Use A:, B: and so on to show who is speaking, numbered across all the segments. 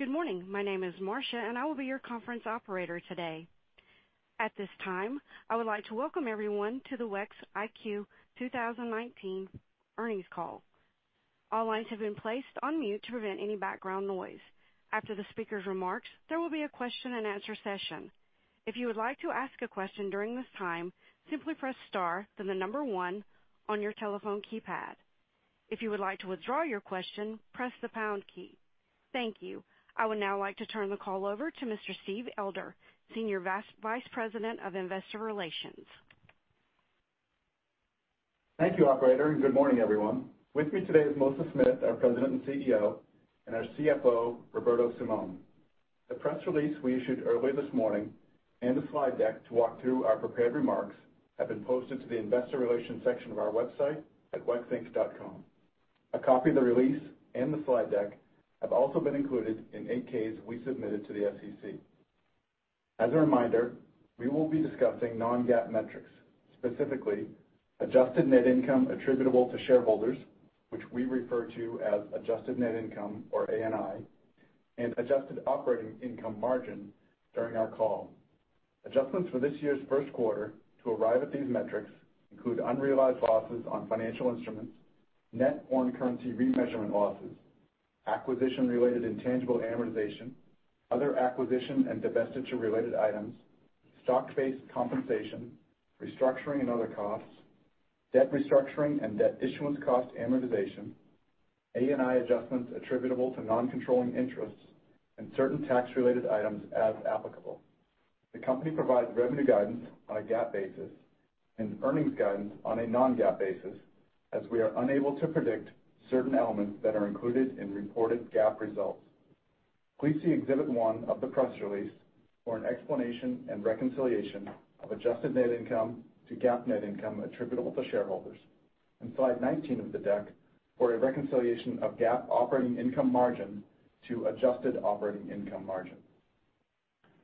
A: Good morning. My name is Marsha, and I will be your conference operator today. At this time, I would like to welcome everyone to the WEX Q1 2019 earnings call. All lines have been placed on mute to prevent any background noise. After the speaker's remarks, there will be a question and answer session. If you would like to ask a question during this time, simply press star, then the number one on your telephone keypad. If you would like to withdraw your question, press the pound key. Thank you. I would now like to turn the call over to Mr. Steven Elder, Senior Vice President of Investor Relations.
B: Thank you, operator. Good morning, everyone. With me today is Melissa Smith, our President and CEO, and our CFO, Roberto Simon. The press release we issued early this morning and the slide deck to walk through our prepared remarks have been posted to the investor relations section of our website at wexinc.com. A copy of the release and the slide deck have also been included in 8-Ks we submitted to the SEC. As a reminder, we will be discussing non-GAAP metrics, specifically adjusted net income attributable to shareholders, which we refer to as adjusted net income or ANI, and adjusted operating income margin during our call. Adjustments for this year's first quarter to arrive at these metrics include unrealized losses on financial instruments, net foreign currency remeasurement losses, acquisition-related intangible amortization, other acquisition and divestiture-related items, stock-based compensation, restructuring and other costs, debt restructuring and debt issuance cost amortization, ANI adjustments attributable to non-controlling interests, and certain tax-related items as applicable. The company provides revenue guidance on a GAAP basis and earnings guidance on a non-GAAP basis, as we are unable to predict certain elements that are included in reported GAAP results. Please see Exhibit 1 of the press release for an explanation and reconciliation of adjusted net income to GAAP net income attributable to shareholders, and slide 19 of the deck for a reconciliation of GAAP operating income margin to adjusted operating income margin.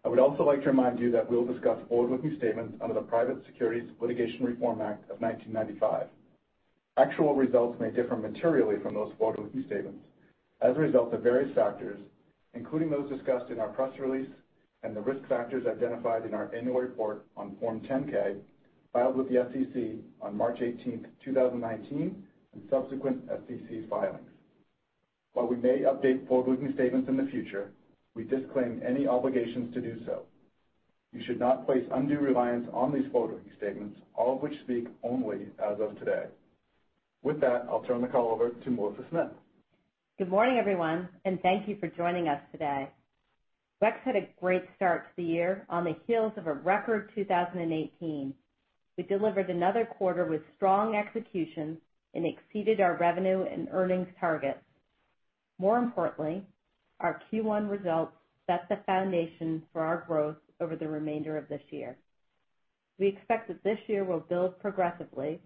B: I would also like to remind you that we'll discuss forward-looking statements under the Private Securities Litigation Reform Act of 1995. Actual results may differ materially from those forward-looking statements as a result of various factors, including those discussed in our press release and the risk factors identified in our annual report on Form 10-K, filed with the SEC on March 18th, 2019, and subsequent SEC filings. We may update forward-looking statements in the future, we disclaim any obligations to do so. You should not place undue reliance on these forward-looking statements, all of which speak only as of today. With that, I'll turn the call over to Melissa Smith.
C: Good morning, everyone, and thank you for joining us today. WEX had a great start to the year on the heels of a record 2018. We delivered another quarter with strong execution and exceeded our revenue and earnings targets. More importantly, our Q1 results set the foundation for our growth over the remainder of this year. We expect that this year will build progressively,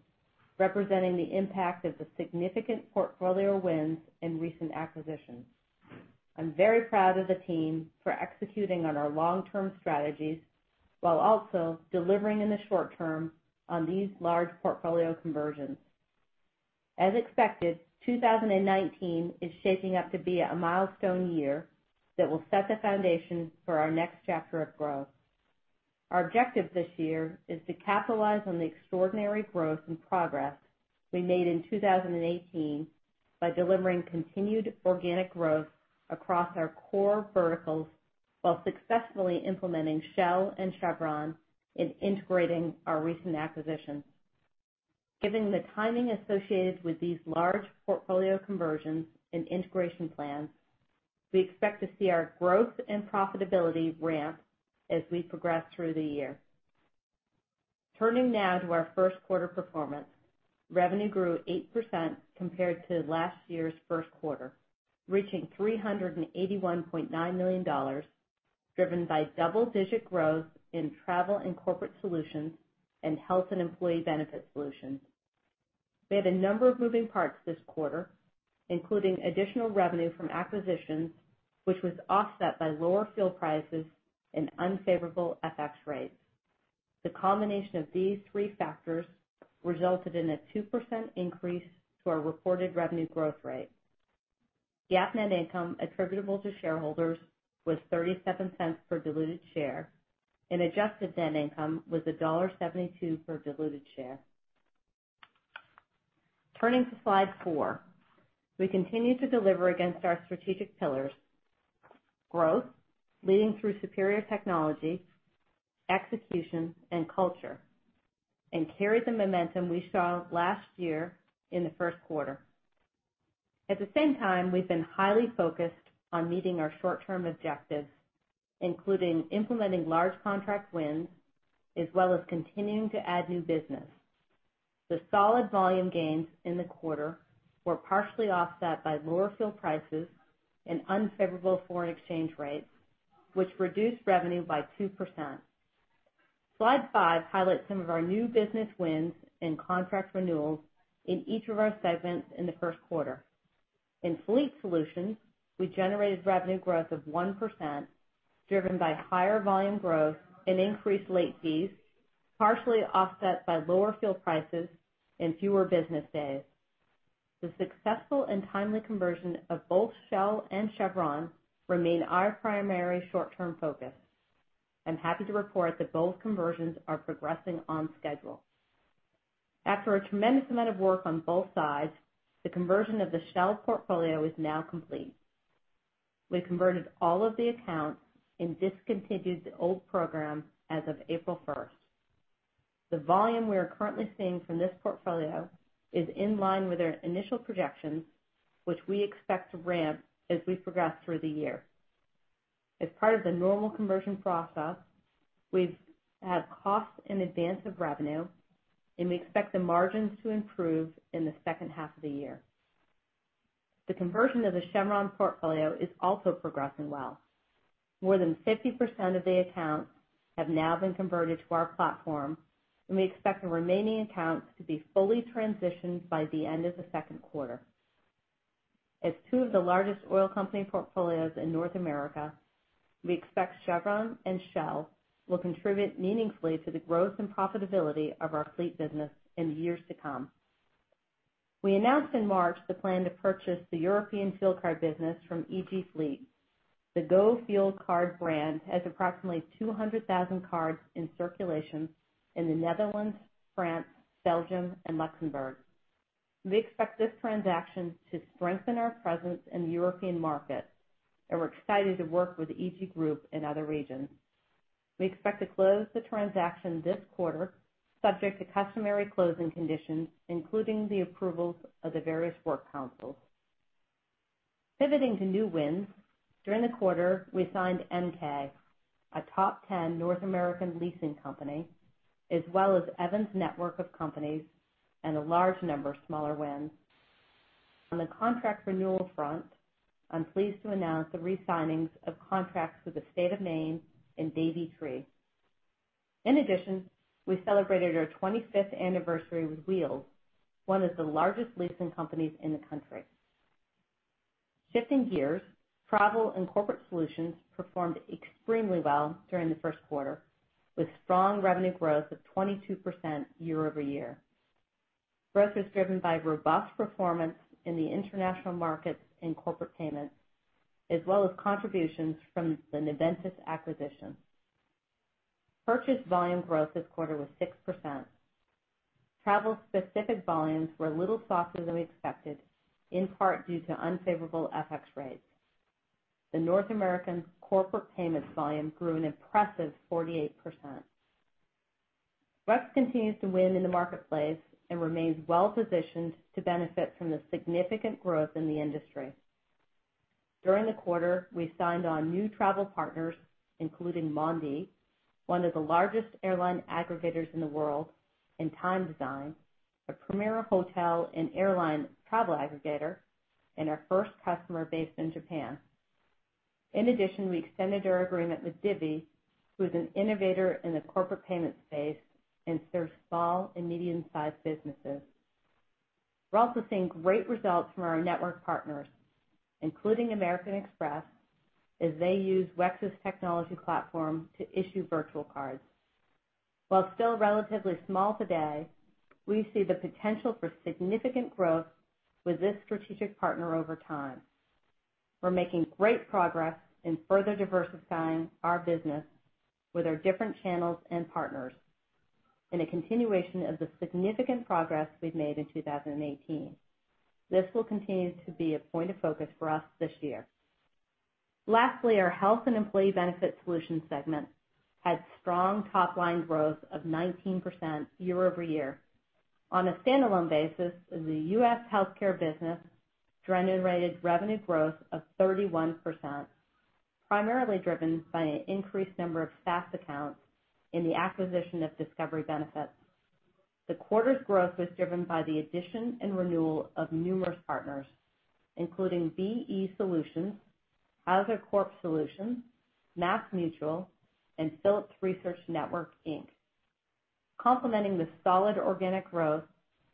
C: representing the impact of the significant portfolio wins and recent acquisitions. I'm very proud of the team for executing on our long-term strategies while also delivering in the short term on these large portfolio conversions. As expected, 2019 is shaping up to be a milestone year that will set the foundation for our next chapter of growth. Our objective this year is to capitalize on the extraordinary growth and progress we made in 2018 by delivering continued organic growth across our core verticals while successfully implementing Shell and Chevron in integrating our recent acquisitions. Given the timing associated with these large portfolio conversions and integration plans, we expect to see our growth and profitability ramp as we progress through the year. Turning now to our first quarter performance. Revenue grew 8% compared to last year's first quarter, reaching $381.9 million, driven by double-digit growth in travel and corporate solutions and health and employee benefit solutions. We had a number of moving parts this quarter, including additional revenue from acquisitions, which was offset by lower fuel prices and unfavorable FX rates. The combination of these three factors resulted in a 2% increase to our reported revenue growth rate. GAAP net income attributable to shareholders was $0.37 per diluted share, and adjusted net income was $1.72 per diluted share. Turning to slide four. We continue to deliver against our strategic pillars: growth, leading through superior technology, execution, and culture, and carry the momentum we saw last year in the first quarter. At the same time, we've been highly focused on meeting our short-term objectives, including implementing large contract wins, as well as continuing to add new business. The solid volume gains in the quarter were partially offset by lower fuel prices and unfavorable foreign exchange rates, which reduced revenue by 2%. Slide five highlights some of our new business wins and contract renewals in each of our segments in the first quarter. In fleet solutions, we generated revenue growth of 1%, driven by higher volume growth and increased late fees, partially offset by lower fuel prices and fewer business days. The successful and timely conversion of both Shell and Chevron remain our primary short-term focus. I'm happy to report that both conversions are progressing on schedule. After a tremendous amount of work on both sides, the conversion of the Shell portfolio is now complete. We converted all of the accounts and discontinued the old program as of April 1st. The volume we are currently seeing from this portfolio is in line with our initial projections, which we expect to ramp as we progress through the year. As part of the normal conversion process, we've had costs in advance of revenue, and we expect the margins to improve in the second half of the year. The conversion of the Chevron portfolio is also progressing well. More than 50% of the accounts have now been converted to our platform, and we expect the remaining accounts to be fully transitioned by the end of the second quarter. As two of the largest oil company portfolios in North America, we expect Chevron and Shell will contribute meaningfully to the growth and profitability of our fleet business in the years to come. We announced in March the plan to purchase the European fuel card business from EG Group. The Go Fuel Card brand has approximately 200,000 cards in circulation in the Netherlands, France, Belgium, and Luxembourg. We expect this transaction to strengthen our presence in the European market, and we're excited to work with EG Group in other regions. We expect to close the transaction this quarter, subject to customary closing conditions, including the approvals of the various work councils. Pivoting to new wins, during the quarter, we signed M&K, a top 10 North American leasing company, as well as Evans Network of Companies and a large number of smaller wins. On the contract renewal front, I'm pleased to announce the re-signings of contracts with the State of Maine and Davey Tree. In addition, we celebrated our 25th anniversary with Wheels, Inc., one of the largest leasing companies in the country. Shifting gears, Travel and Corporate Solutions performed extremely well during the first quarter, with strong revenue growth of 22% year-over-year. Growth was driven by robust performance in the international markets in corporate payments, as well as contributions from the Noventis acquisition. Purchase volume growth this quarter was 6%. Travel-specific volumes were a little softer than we expected, in part due to unfavorable FX rates. The North American corporate payments volume grew an impressive 48%. WEX continues to win in the marketplace and remains well-positioned to benefit from the significant growth in the industry. During the quarter, we signed on new travel partners, including Mondee, one of the largest airline aggregators in the world, and Time Design, a premier hotel and airline travel aggregator, and our first customer based in Japan. In addition, we extended our agreement with Divvy, who's an innovator in the corporate payment space and serves small and medium-sized businesses. We're also seeing great results from our network partners, including American Express, as they use WEX's technology platform to issue virtual cards. While still relatively small today, we see the potential for significant growth with this strategic partner over time. We're making great progress in further diversifying our business with our different channels and partners in a continuation of the significant progress we've made in 2018. This will continue to be a point of focus for us this year. Lastly, our Health and Employee Benefit Solutions segment had strong top-line growth of 19% year-over-year. On a standalone basis, the U.S. healthcare business generated revenue growth of 31%, primarily driven by an increased number of SaaS accounts in the acquisition of Discovery Benefits. The quarter's growth was driven by the addition and renewal of numerous partners, including BE Solutions, Hauser Corp. Solutions, MassMutual, and Phillips Research Network Inc. Complementing the solid organic growth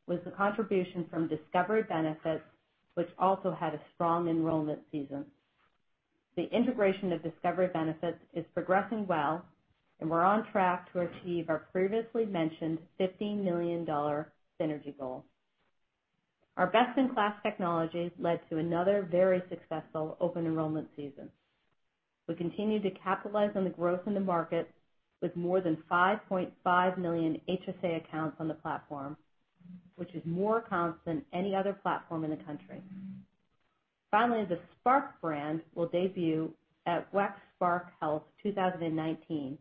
C: was the contribution from Discovery Benefits, which also had a strong enrollment season. The integration of Discovery Benefits is progressing well, and we're on track to achieve our previously mentioned $50 million synergy goal. Our best-in-class technologies led to another very successful open enrollment season. We continue to capitalize on the growth in the market with more than 5.5 million HSA accounts on the platform, which is more accounts than any other platform in the country. The SPARK brand will debut at WEX SPARK Health 2019,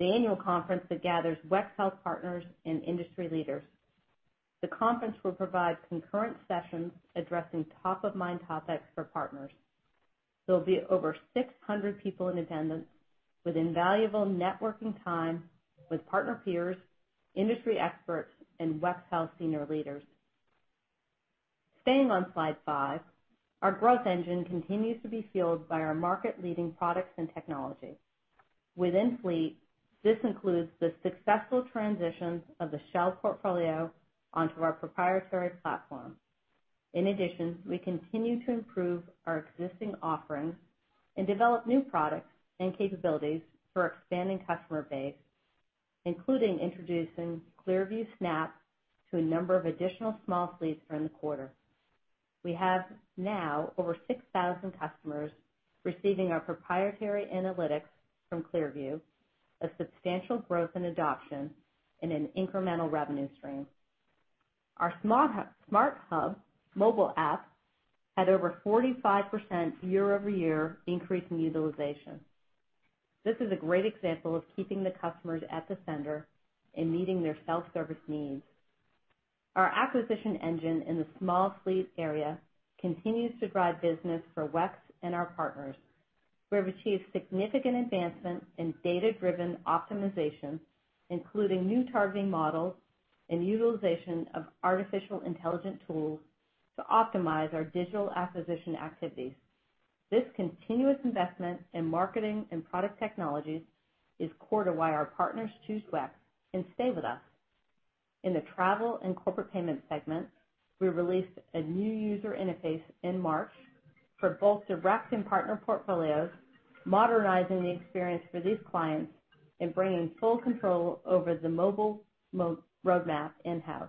C: the annual conference that gathers WEX Health partners and industry leaders. The conference will provide concurrent sessions addressing top-of-mind topics for partners. There will be over 600 people in attendance with invaluable networking time with partner peers, industry experts, and WEX Health senior leaders. Staying on slide five, our growth engine continues to be fueled by our market-leading products and technology. Within Fleet, this includes the successful transitions of the Shell portfolio onto our proprietary platform. We continue to improve our existing offerings and develop new products and capabilities for expanding customer base. Including introducing ClearView Snap to a number of additional small fleets during the quarter. We have now over 6,000 customers receiving our proprietary analytics from ClearView, a substantial growth in adoption and an incremental revenue stream. Our Fleet SmartHub mobile app had over 45% year-over-year increase in utilization. This is a great example of keeping the customers at the center in meeting their self-service needs. Our acquisition engine in the small fleet area continues to drive business for WEX and our partners. We have achieved significant advancements in data-driven optimization, including new targeting models and utilization of artificial intelligence tools to optimize our digital acquisition activities. This continuous investment in marketing and product technologies is core to why our partners choose WEX and stay with us. In the travel and corporate payment segment, we released a new user interface in March for both direct and partner portfolios, modernizing the experience for these clients and bringing full control over the mobile roadmap in-house.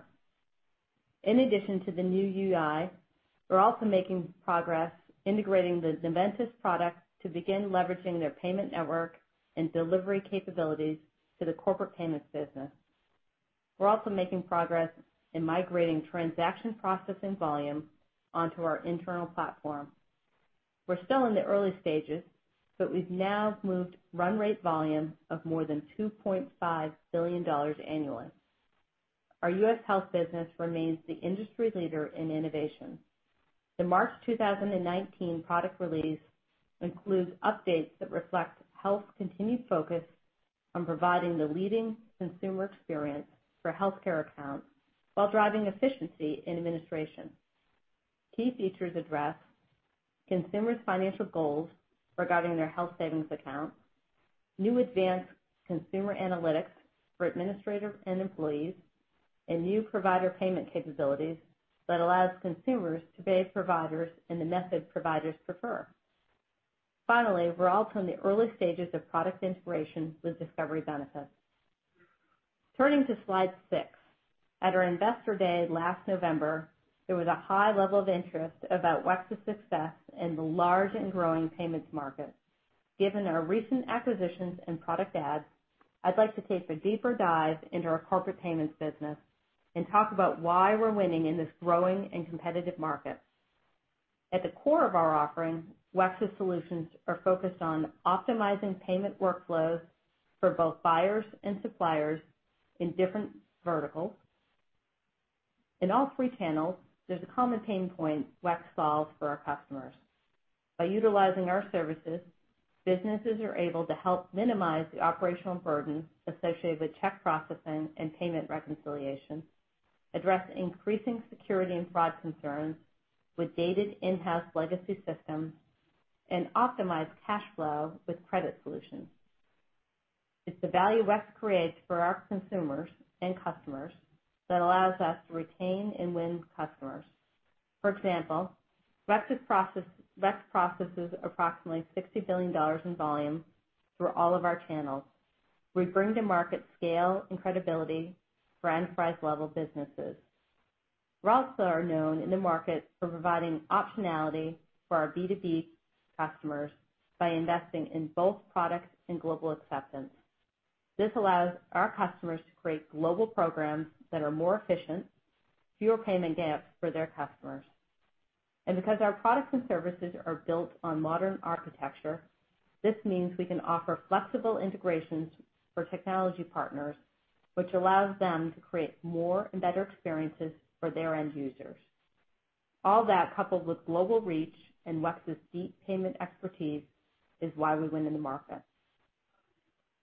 C: We are also making progress integrating the Noventis product to begin leveraging their payment network and delivery capabilities to the corporate payments business. We are also making progress in migrating transaction processing volume onto our internal platform. We are still in the early stages, but we have now moved run rate volume of more than $2.5 billion annually. Our U.S. health business remains the industry leader in innovation. The March 2019 product release includes updates that reflect health's continued focus on providing the leading consumer experience for healthcare accounts while driving efficiency in administration. Key features address consumers' financial goals regarding their health savings account, new advanced consumer analytics for administrators and employees, and new provider payment capabilities that allows consumers to pay providers in the method providers prefer. We are also in the early stages of product integration with Discovery Benefits. Turning to slide six. At our investor day last November, there was a high level of interest about WEX's success in the large and growing payments market. Given our recent acquisitions and product adds, I would like to take a deeper dive into our corporate payments business and talk about why we are winning in this growing and competitive market. At the core of our offering, WEX's solutions are focused on optimizing payment workflows for both buyers and suppliers in different verticals. In all three channels, there is a common pain point WEX solves for our customers. By utilizing our services, businesses are able to help minimize the operational burden associated with check processing and payment reconciliation, address increasing security and fraud concerns with dated in-house legacy systems, and optimize cash flow with credit solutions. It's the value WEX creates for our consumers and customers that allows us to retain and win customers. For example, WEX processes approximately $60 billion in volume through all of our channels. We bring to market scale and credibility for enterprise-level businesses. We also are known in the market for providing optionality for our B2B customers by investing in both products and global acceptance. This allows our customers to create global programs that are more efficient, fewer payment gaps for their customers. Because our products and services are built on modern architecture, this means we can offer flexible integrations for technology partners, which allows them to create more and better experiences for their end users. All that coupled with global reach and WEX's deep payment expertise is why we win in the market.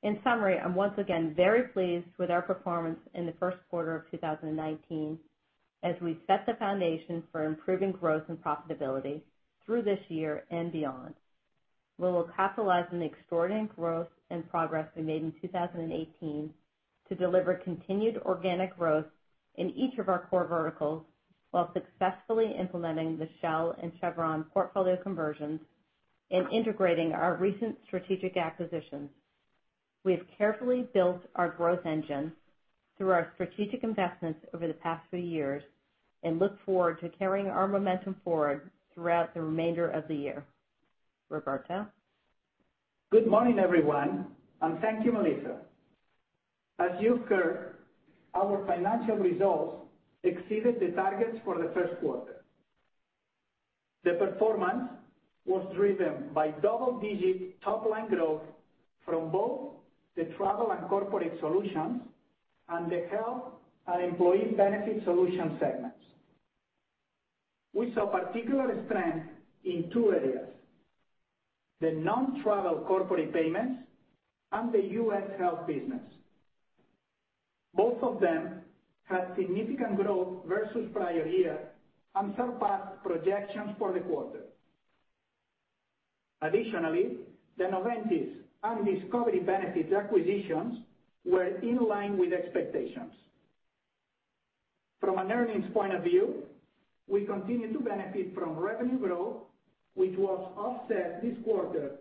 C: In summary, I'm once again very pleased with our performance in the first quarter of 2019 as we set the foundation for improving growth and profitability through this year and beyond. We will capitalize on the extraordinary growth and progress we made in 2018 to deliver continued organic growth in each of our core verticals while successfully implementing the Shell and Chevron portfolio conversions and integrating our recent strategic acquisitions. We have carefully built our growth engine through our strategic investments over the past few years and look forward to carrying our momentum forward throughout the remainder of the year. Roberto?
D: Good morning, everyone, and thank you, Melissa. As you've heard, our financial results exceeded the targets for the first quarter. The performance was driven by double-digit top-line growth from both the travel and corporate solutions and the health and employee benefit solution segments. We saw particular strength in two areas, the non-travel corporate payments and the U.S. health business. Both of them had significant growth versus prior year and surpassed projections for the quarter. Additionally, the Noventis and Discovery Benefits acquisitions were in line with expectations. From an earnings point of view, we continue to benefit from revenue growth, which was offset this quarter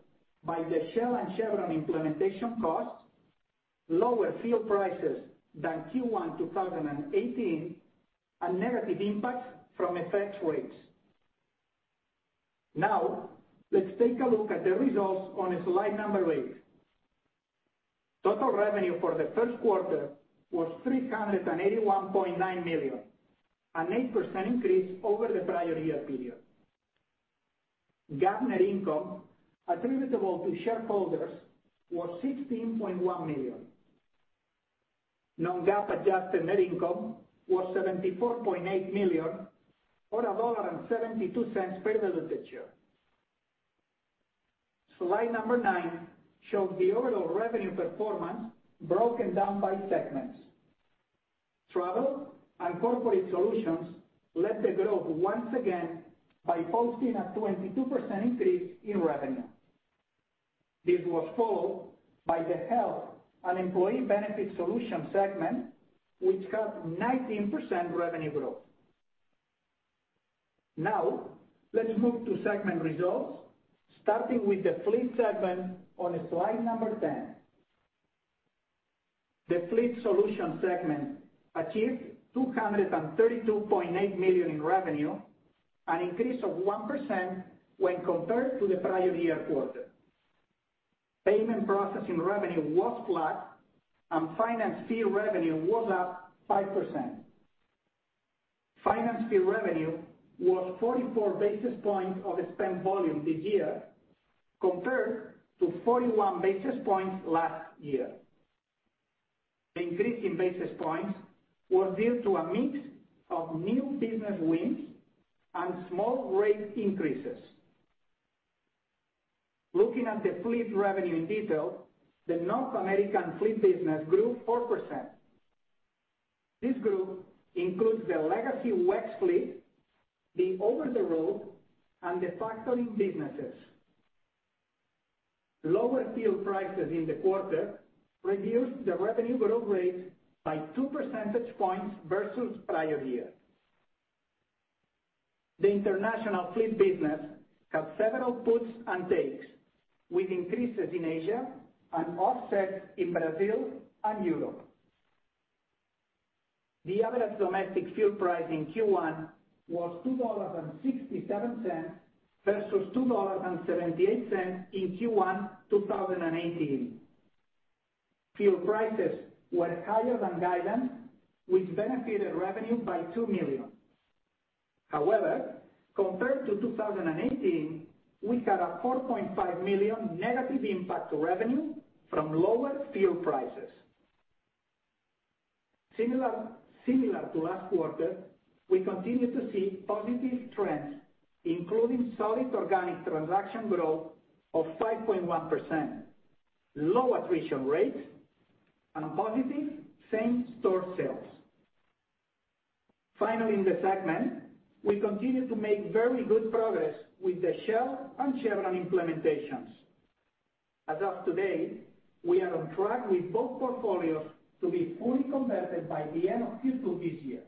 D: by the Shell and Chevron implementation costs, lower fuel prices than Q1 2018, and negative impact from FX rates. Now let's take a look at the results on a slide number eight. Total revenue for the first quarter was $381.9 million, an 8% increase over the prior year period. GAAP net income attributable to shareholders was $16.1 million. Non-GAAP adjusted net income was $74.8 million on $1.72 per diluted share. Slide number nine shows the overall revenue performance broken down by segments. Travel and Corporate Solutions led the growth once again by posting a 22% increase in revenue. This was followed by the Health and Employee Benefit Solutions segment, which had 19% revenue growth. Let's move to segment results, starting with the Fleet segment on slide number 10. The Fleet Solutions segment achieved $232.8 million in revenue, an increase of 1% when compared to the prior year quarter. Payment processing revenue was flat, and finance fee revenue was up 5%. Finance fee revenue was 44 basis points of spent volume this year, compared to 41 basis points last year. The increase in basis points was due to a mix of new business wins and small rate increases. Looking at the Fleet revenue in detail, the North American Fleet business grew 4%. This group includes the legacy WEX Fleet, the over-the-road, and the factoring businesses. Lower fuel prices in the quarter reduced the revenue growth rate by two percentage points versus prior year. The International Fleet business had several puts and takes, with increases in Asia and offsets in Brazil and Europe. The average domestic fuel price in Q1 was $2.67 versus $2.78 in Q1 2018. Fuel prices were higher than guidance, which benefited revenue by $2 million. However, compared to 2018, we had a $4.5 million negative impact to revenue from lower fuel prices. Similar to last quarter, we continue to see positive trends, including solid organic transaction growth of 5.1%, low attrition rates, and positive same-store sales. Finally, in the segment, we continue to make very good progress with the Shell and Chevron implementations. As of today, we are on track with both portfolios to be fully converted by the end of Q2 this year.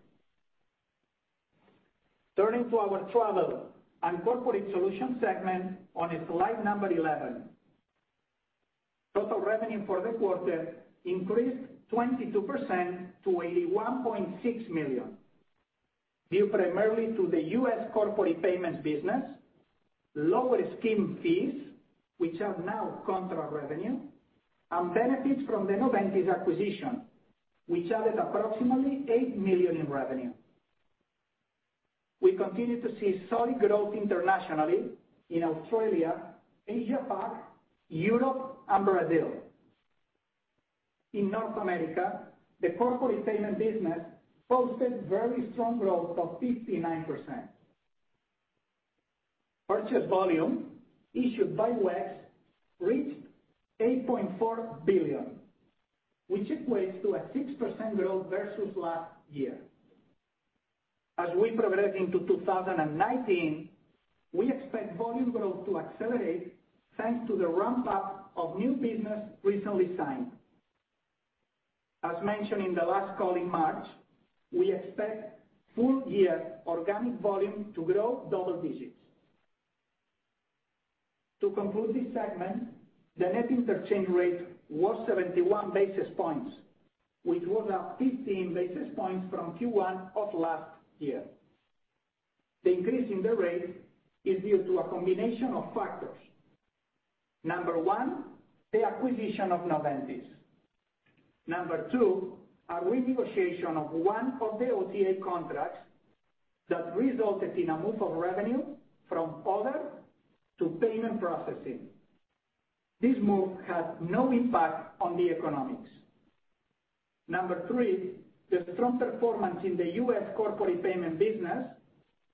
D: Turning to our Travel and Corporate Solutions segment on slide number 11. Total revenue for the quarter increased 22% to $81.6 million, due primarily to the U.S. corporate payments business, lower scheme fees, which are now contra revenue, and benefits from the Noventis acquisition, which added approximately $8 million in revenue. We continue to see solid growth internationally in Australia, Asia-Pac, Europe, and Brazil. In North America, the corporate payment business posted very strong growth of 59%. Purchase volume issued by WEX reached $8.4 billion, which equates to a 6% growth versus last year. As we progress into 2019, we expect volume growth to accelerate, thanks to the ramp-up of new business recently signed. As mentioned in the last call in March, we expect full-year organic volume to grow double digits. To conclude this segment, the net interchange rate was 71 basis points, which was up 15 basis points from Q1 of last year. The increase in the rate is due to a combination of factors. Number one, the acquisition of Noventis. Number two, a renegotiation of one of the OTA contracts that resulted in a move of revenue from other to payment processing. This move had no impact on the economics. Number three, the strong performance in the U.S. corporate payment business,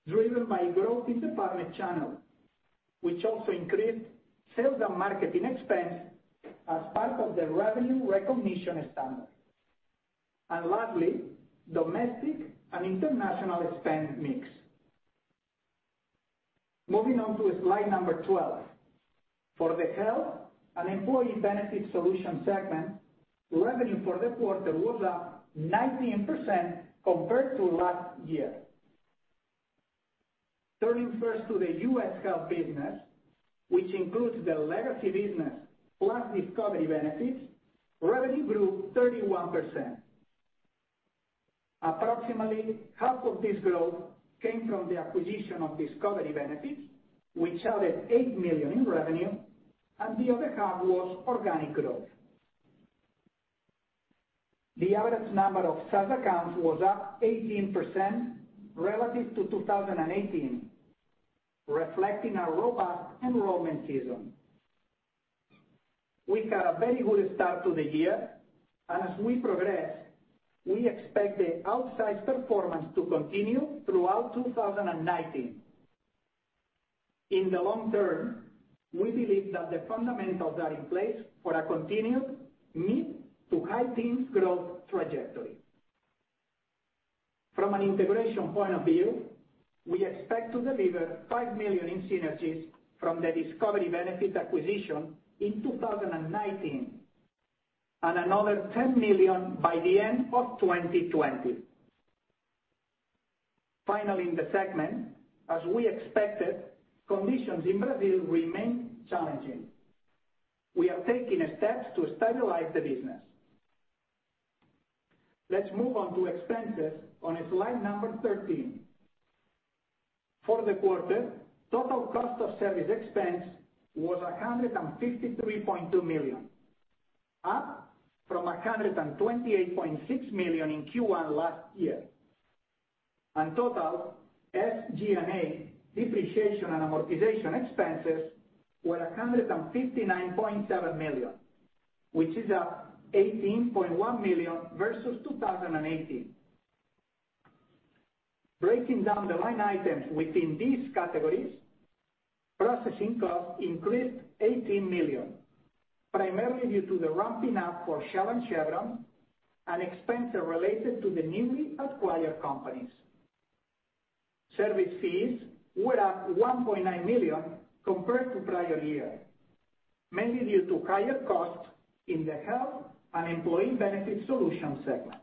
D: driven by growth in the pharma channel, which also increased sales and marketing expense as part of the revenue recognition standard. Lastly, domestic and international spend mix. Moving on to slide 12. For the health and employee benefit solution segment, revenue for the quarter was up 19% compared to last year. Turning first to the U.S. health business, which includes the legacy business plus Discovery Benefits, revenue grew 31%. Approximately half of this growth came from the acquisition of Discovery Benefits, which added $8 million in revenue, and the other half was organic growth. The average number of SaaS accounts was up 18% relative to 2018, reflecting a robust enrollment season. We've had a very good start to the year, and as we progress, we expect the outsized performance to continue throughout 2019. In the long term, we believe that the fundamentals are in place for a continued mid to high teens growth trajectory. From an integration point of view, we expect to deliver $5 million in synergies from the Discovery Benefits acquisition in 2019, and another $10 million by the end of 2020. Finally, in the segment, as we expected, conditions in Brazil remain challenging. We are taking steps to stabilize the business. Let's move on to expenses on slide 13. For the quarter, total cost of service expense was $153.2 million, up from $128.6 million in Q1 last year. Total SG&A depreciation and amortization expenses were $159.7 million, which is up $18.1 million versus 2018. Breaking down the line items within these categories, processing costs increased $18 million, primarily due to the ramping up for Shell and Chevron and expenses related to the newly acquired companies. Service fees were up $1.9 million compared to prior year, mainly due to higher costs in the health and employee benefit solution segment.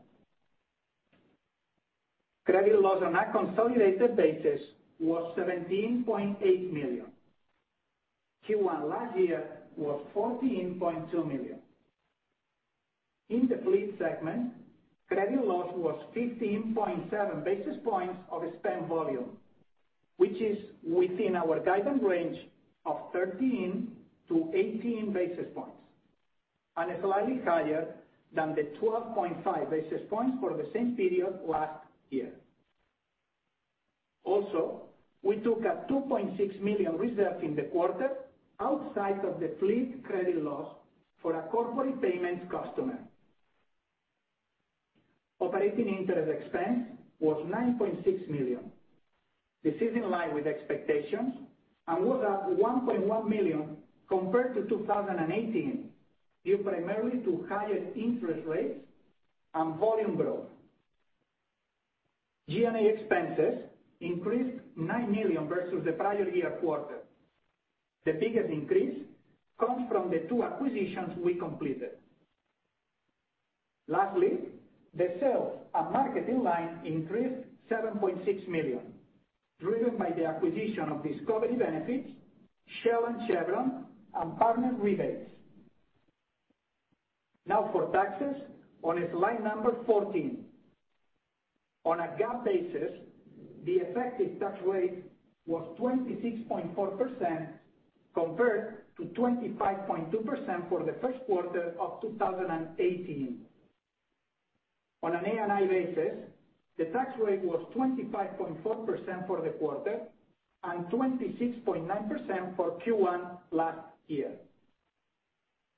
D: Credit loss on a consolidated basis was $17.8 million. Q1 last year was $14.2 million. In the fleet segment, credit loss was 15.7 basis points of spend volume, which is within our guidance range of 13-18 basis points, and slightly higher than the 12.5 basis points for the same period last year. Also, we took a $2.6 million reserve in the quarter outside of the fleet credit loss for a corporate payments customer. Operating interest expense was $9.6 million. This is in line with expectations and was up $1.1 million compared to 2018, due primarily to higher interest rates and volume growth. G&A expenses increased $9 million versus the prior year quarter. The biggest increase comes from the two acquisitions we completed. Lastly, the sales and marketing line increased $7.6 million, driven by the acquisition of Discovery Benefits, Shell and Chevron, and partner rebates. For taxes on slide 14. On a GAAP basis, the effective tax rate was 26.4% compared to 25.2% for the first quarter of 2018. On an ANI basis, the tax rate was 25.4% for the quarter and 26.9% for Q1 last year.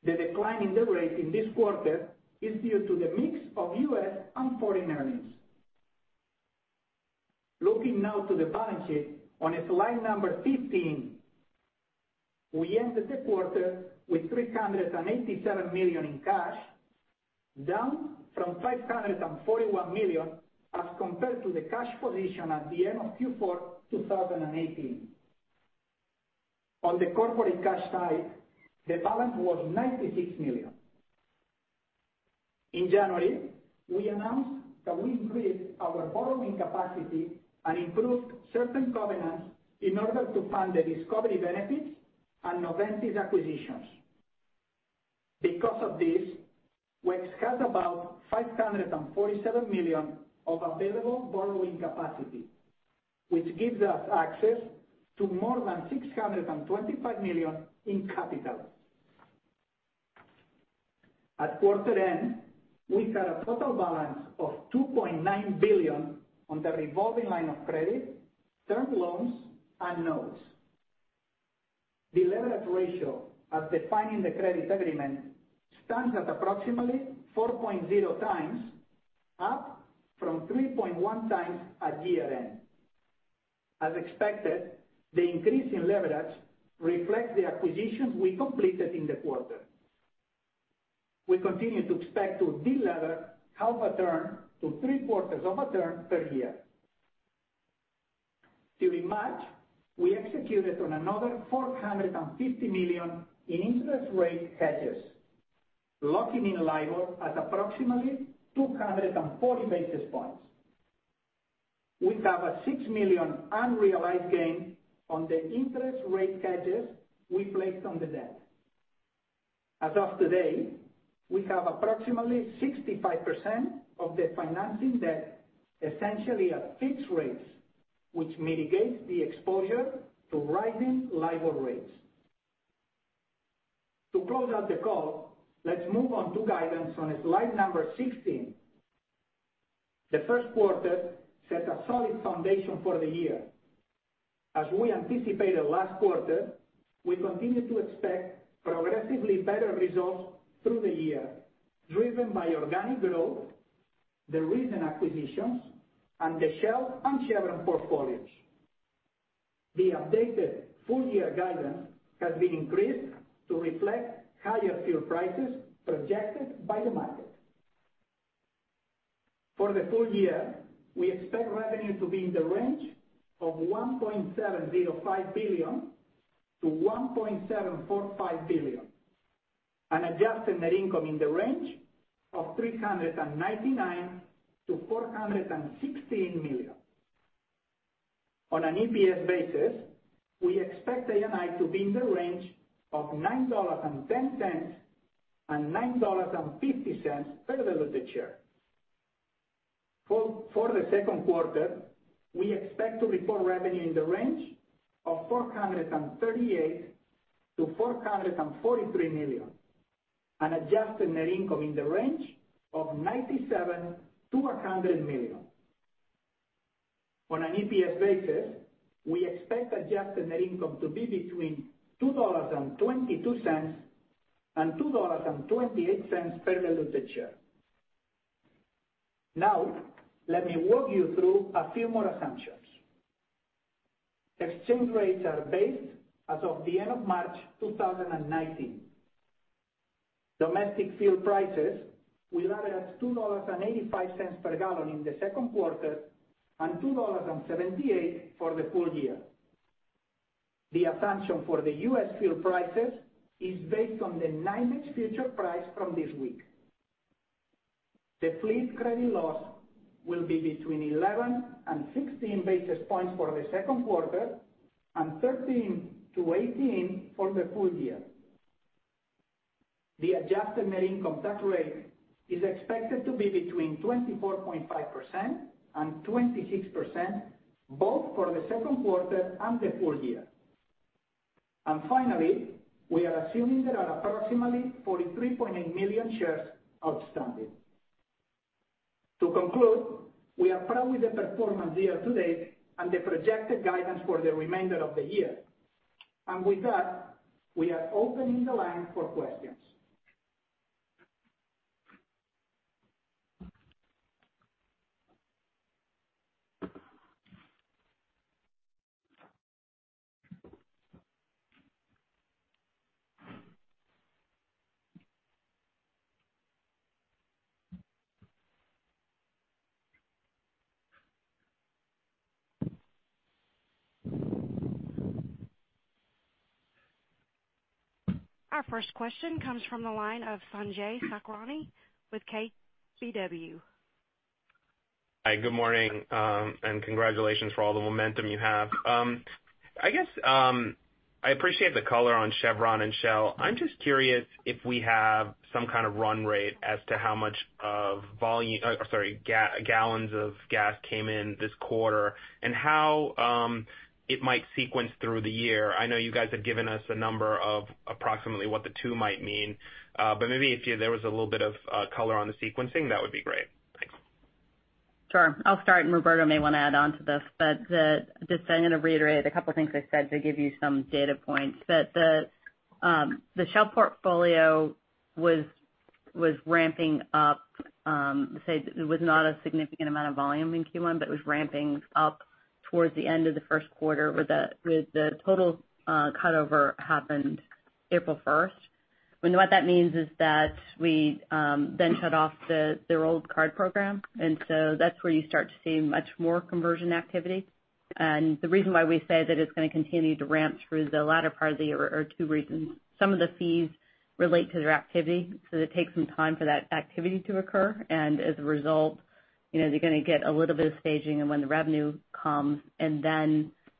D: The decline in the rate in this quarter is due to the mix of U.S. and foreign earnings. Looking now to the balance sheet on slide 15. We ended the quarter with $387 million in cash, down from $541 million as compared to the cash position at the end of Q4 2018. On the corporate cash side, the balance was $96 million. In January, we announced that we increased our borrowing capacity and improved certain covenants in order to fund the Discovery Benefits and Noventis acquisitions. Because of this, WEX has about $547 million of available borrowing capacity, which gives us access to more than $625 million in capital. At quarter end, we had a total balance of $2.9 billion on the revolving line of credit, term loans, and notes. The leverage ratio, as defined in the credit agreement, stands at approximately 4.0 times, up from 3.1 times at year-end. As expected, the increase in leverage reflects the acquisitions we completed in the quarter. We continue to expect to delever half a turn to three-quarters of a turn per year. During March, we executed on another $450 million in interest rate hedges, locking in LIBOR at approximately 240 basis points. We have a $6 million unrealized gain on the interest rate hedges we placed on the debt. As of today, we have approximately 65% of the financing debt essentially at fixed rates, which mitigates the exposure to rising LIBOR rates. To close out the call, let's move on to guidance on slide number 16. The first quarter set a solid foundation for the year. As we anticipated last quarter, we continue to expect progressively better results through the year, driven by organic growth, the recent acquisitions, and the Shell and Chevron portfolios. The updated full-year guidance has been increased to reflect higher fuel prices projected by the market. For the full year, we expect revenue to be in the range of $1.705 billion-$1.745 billion, and adjusted net income in the range of $399 million-$416 million. On an EPS basis, we expect ANI to be in the range of $9.10 and $9.50 per diluted share. For the second quarter, we expect to report revenue in the range of $438 million-$443 million, and adjusted net income in the range of $97 million-$100 million. On an EPS basis, we expect adjusted net income to be between $2.22 and $2.28 per diluted share. Let me walk you through a few more assumptions. Exchange rates are based as of the end of March 2019. Domestic fuel prices will average $2.85 per gallon in the second quarter and $2.78 for the full year. The assumption for the U.S. fuel prices is based on the NYMEX future price from this week. The fleet credit loss will be between 11 and 16 basis points for the second quarter and 13-18 basis points for the full year. The adjusted net income tax rate is expected to be between 24.5% and 26% both for the second quarter and the full year. Finally, we are assuming there are approximately 43.8 million shares outstanding. To conclude, we are proud with the performance year to date and the projected guidance for the remainder of the year. With that, we are opening the line for questions.
A: Our first question comes from the line of Sanjay Sakhrani with KBW.
E: Hi. Good morning. Congratulations for all the momentum you have. I appreciate the color on Chevron and Shell. I'm just curious if we have some kind of run rate as to how much of gallons of gas came in this quarter, and how it might sequence through the year. I know you guys have given us a number of approximately what the two might mean. Maybe if there was a little bit of color on the sequencing, that would be great. Thanks.
C: Sure. I'll start. Roberto Simon may want to add on to this. Just I'm going to reiterate a couple things I said to give you some data points. That the Shell portfolio was ramping up, say, it was not a significant amount of volume in Q1, but it was ramping up towards the end of the first quarter with the total cutover happened April 1st. What that means is that we then cut off their old card program. That's where you start to see much more conversion activity. The reason why we say that it's going to continue to ramp through the latter part of the year are two reasons. Some of the fees relate to their activity. It takes some time for that activity to occur. As a result, they're going to get a little bit of staging and when the revenue comes.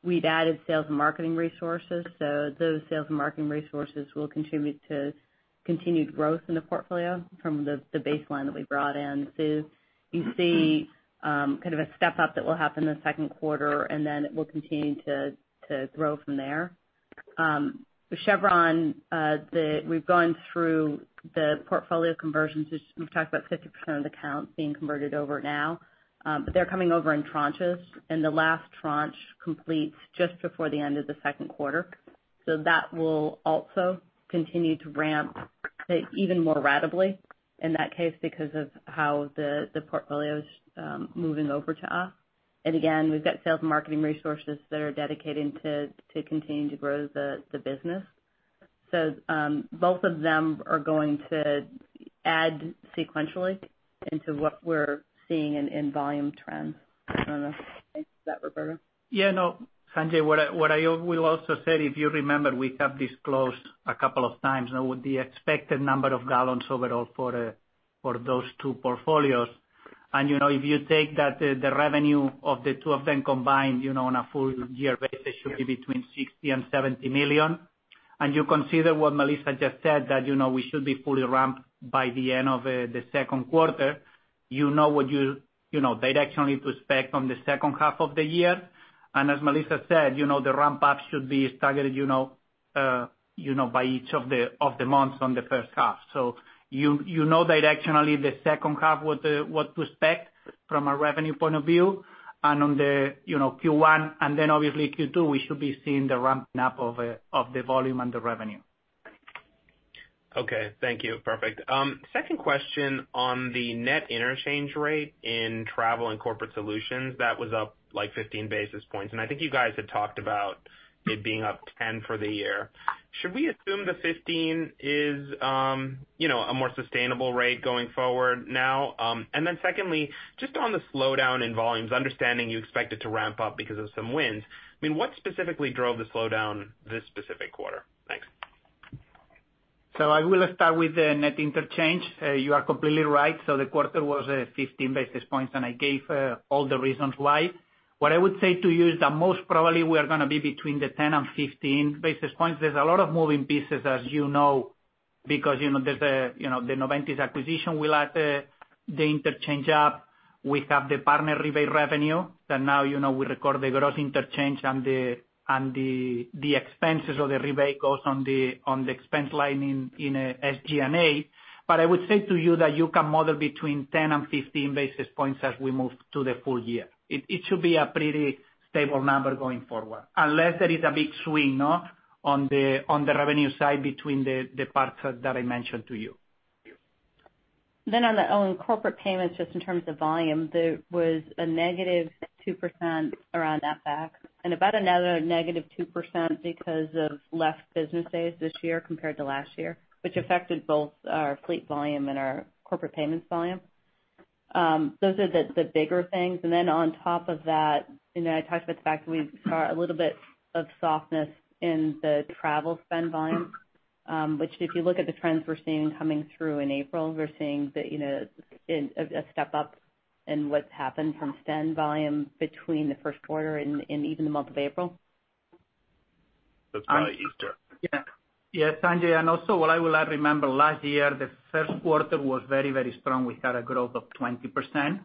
C: We've added sales and marketing resources. Those sales and marketing resources will contribute to continued growth in the portfolio from the baseline that we brought in, too. You see kind of a step-up that will happen the second quarter. It will continue to grow from there. With Chevron, we've gone through the portfolio conversions. We've talked about 50% of the accounts being converted over now. They're coming over in tranches, and the last tranche completes just before the end of the second quarter. That will also continue to ramp even more ratably in that case because of how the portfolio's moving over to us. Again, we've got sales and marketing resources that are dedicated to continuing to grow the business. Both of them are going to add sequentially into what we're seeing in volume trends. I don't know. Thanks for that, Roberto.
D: Yeah, no, Sanjay, what I will also say, if you remember, we have disclosed a couple of times now with the expected number of gallons overall for those two portfolios. If you take the revenue of the two of them combined, on a full-year basis should be between $60 million and $70 million. You consider what Melissa just said, that we should be fully ramped by the end of the second quarter, you know what you directionally to expect on the second half of the year. As Melissa said, the ramp-up should be targeted by each of the months on the first half. You know directionally the second half, what to expect from a revenue point of view, and on the Q1 and then obviously Q2, we should be seeing the ramping up of the volume and the revenue.
E: Okay. Thank you. Perfect. Second question on the net interchange rate in travel and corporate solutions, that was up 15 basis points, and I think you guys had talked about it being up 10 for the year. Should we assume the 15 is a more sustainable rate going forward now? Secondly, just on the slowdown in volumes, understanding you expect it to ramp up because of some wins, what specifically drove the slowdown this specific quarter? Thanks.
D: I will start with the net interchange. You are completely right. The quarter was 15 basis points, and I gave all the reasons why. What I would say to you is that most probably we are going to be between the 10 and 15 basis points. There's a lot of moving pieces, as you know, because the Noventis acquisition will add the interchange up. We have the partner rebate revenue that now we record the gross interchange and the expenses of the rebate goes on the expense line in SG&A. I would say to you that you can model between 10 and 15 basis points as we move to the full year. It should be a pretty stable number going forward. Unless there is a big swing on the revenue side between the parts that I mentioned to you.
C: On the own corporate payments, just in terms of volume, there was a -2% around FX and about another -2% because of less business days this year compared to last year, which affected both our fleet volume and our corporate payments volume. Those are the bigger things. On top of that, I talked about the fact we saw a little bit of softness in the travel spend volume. If you look at the trends we're seeing coming through in April, we're seeing a step-up in what's happened from spend volume between the first quarter and even the month of April.
E: That's probably Easter.
D: Sanjay, also what I will add, remember last year, the first quarter was very strong. We had a growth of 20%,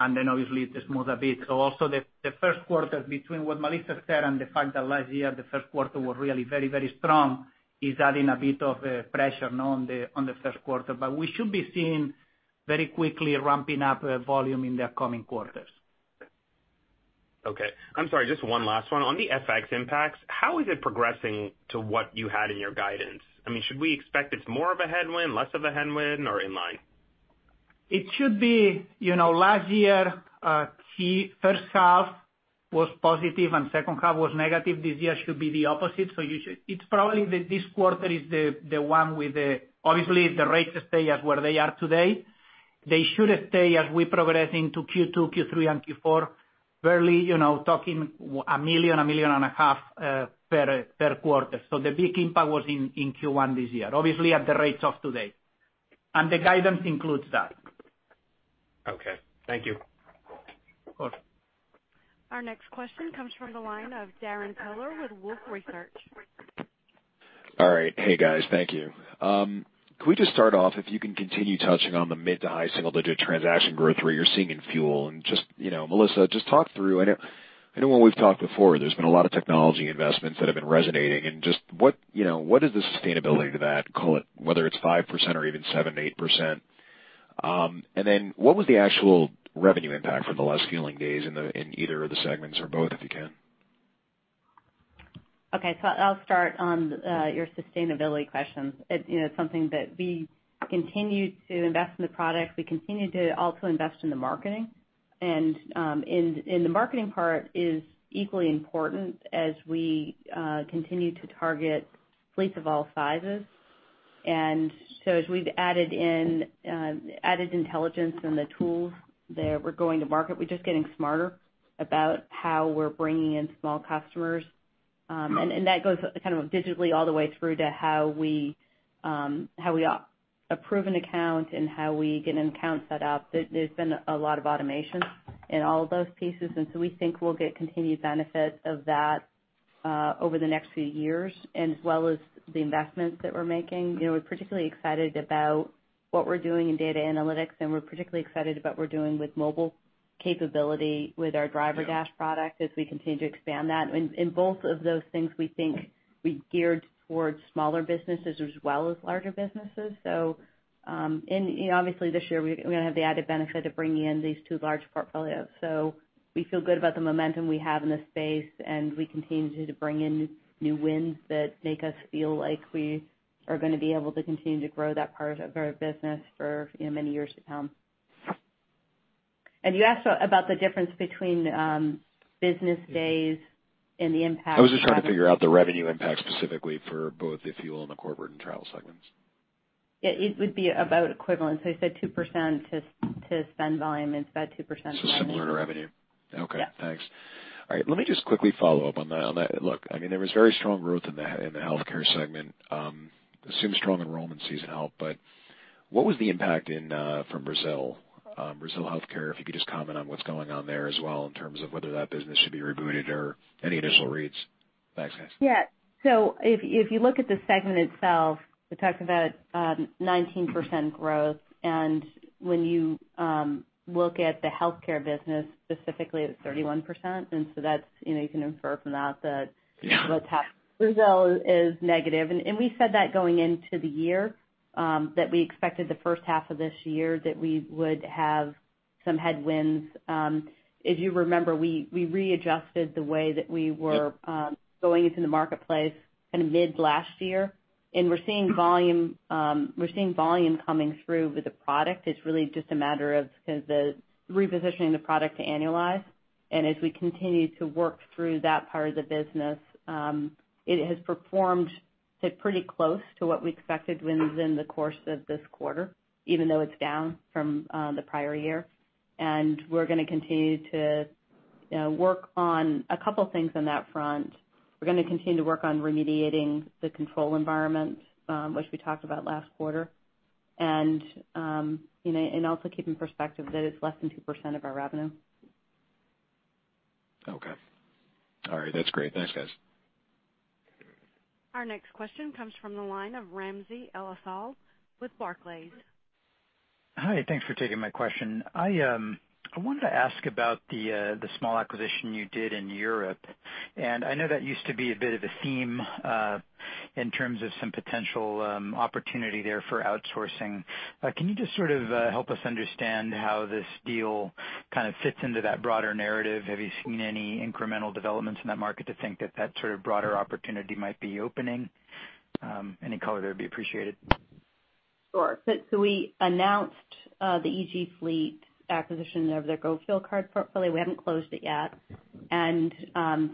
D: obviously it smooth a bit. Also the first quarter between what Melissa said and the fact that last year the first quarter was really very strong, is adding a bit of pressure on the first quarter. We should be seeing very quickly ramping up volume in the coming quarters.
E: I'm sorry, just one last one. On the FX impacts, how is it progressing to what you had in your guidance? Should we expect it's more of a headwind, less of a headwind, or in line?
D: Last year, first half was positive and second half was negative. This year it should be the opposite. It's probably that this quarter is the one with the obviously, if the rates stay as where they are today, they should stay as we progress into Q2, Q3, and Q4, barely talking $1 million, $1.5 million per quarter. The big impact was in Q1 this year, obviously at the rates of today. The guidance includes that.
E: Okay. Thank you.
D: Of course.
A: Our next question comes from the line of Darrin Peller with Wolfe Research.
F: Could we just start off if you can continue touching on the mid to high single-digit transaction growth rate you're seeing in fuel? Melissa, just talk through, I know when we've talked before, there's been a lot of technology investments that have been resonating and just what is the sustainability to that, call it whether it's 5% or even 7%, 8%? What was the actual revenue impact for the last fueling days in either of the segments or both, if you can?
C: Okay. I'll start on your sustainability questions. It's something that we continue to invest in the product. We continue to also invest in the marketing, the marketing part is equally important as we continue to target fleets of all sizes. As we've added intelligence in the tools that we're going to market, we're just getting smarter about how we're bringing in small customers. That goes kind of digitally all the way through to how we approve an account and how we get an account set up. There's been a lot of automation in all of those pieces, we think we'll get continued benefit of that over the next few years as well as the investments that we're making. We're particularly excited about what we're doing in data analytics, we're particularly excited about what we're doing with mobile capability with our DriverDash product as we continue to expand that. In both of those things, we think we geared towards smaller businesses as well as larger businesses. Obviously this year, we're going to have the added benefit of bringing in these two large portfolios. We feel good about the momentum we have in this space, we continue to bring in new wins that make us feel like we are going to be able to continue to grow that part of our business for many years to come. You asked about the difference between business days and the impact-
F: I was just trying to figure out the revenue impact specifically for both the fuel and the corporate and travel segments.
C: Yeah, it would be about equivalent. I said 2% to spend volume, it's about 2% revenue.
F: Similar to revenue.
C: Yeah.
F: Okay, thanks. All right. Let me just quickly follow up on that. Look, there was very strong growth in the WEX Health segment. I assume strong enrollment sees out, but what was the impact from Brazil? Brazil WEX Health, if you could just comment on what's going on there as well in terms of whether that business should be rebooted or any initial reads. Thanks, guys.
C: Yeah. If you look at the segment itself, we talked about 19% growth, when you look at the WEX Health business specifically, it's 31%. You can infer from that what's happened. Brazil is negative. We said that going into the year, that we expected the first half of this year, that we would have some headwinds. If you remember, we readjusted the way that we were going into the marketplace in mid last year, we're seeing volume coming through with the product. It's really just a matter of kind of the repositioning the product to annualize. As we continue to work through that part of the business, it has performed pretty close to what we expected within the course of this quarter, even though it's down from the prior year. We're going to continue to work on a couple things on that front. We're going to continue to work on remediating the control environment, which we talked about last quarter. Also keep in perspective that it's less than 2% of our revenue.
F: Okay. All right. That's great. Thanks, guys.
A: Our next question comes from the line of Ramsey El-Assal with Barclays.
G: Hi. Thanks for taking my question. I wanted to ask about the small acquisition you did in Europe, I know that used to be a bit of a theme, in terms of some potential opportunity there for outsourcing. Can you just sort of help us understand how this deal kind of fits into that broader narrative? Have you seen any incremental developments in that market to think that that sort of broader opportunity might be opening? Any color there would be appreciated.
C: Sure. We announced the EG Group acquisition of their Go Fuel Card portfolio. We haven't closed it yet.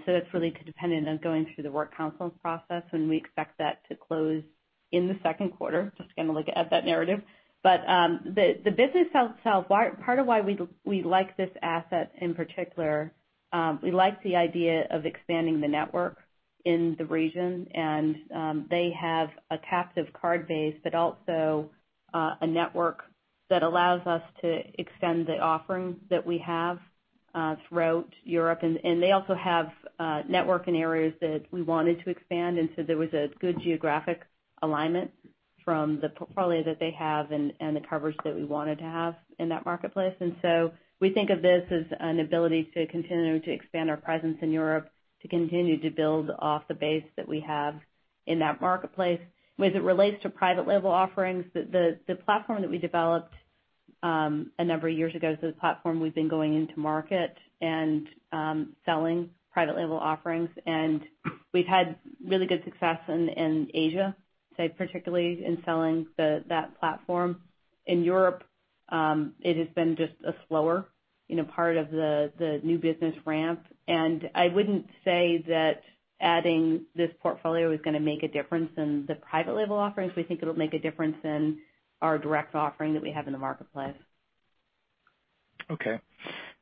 C: It's really dependent on going through the work council process, and we expect that to close in the second quarter, just kind of look at that narrative. The business itself, part of why we like this asset in particular, we like the idea of expanding the network in the region, and they have a captive card base, but also a network that allows us to extend the offerings that we have throughout Europe. They also have a network in areas that we wanted to expand. There was a good geographic alignment from the portfolio that they have and the coverage that we wanted to have in that marketplace. We think of this as an ability to continue to expand our presence in Europe, to continue to build off the base that we have in that marketplace. As it relates to private label offerings, the platform that we developed a number of years ago is the platform we've been going into market and selling private label offerings. We've had really good success in Asia, say, particularly in selling that platform. In Europe, it has been just a slower part of the new business ramp. I wouldn't say that adding this portfolio is going to make a difference in the private label offerings. We think it'll make a difference in our direct offering that we have in the marketplace.
G: Okay.